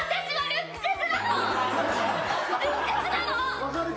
ルックスなの！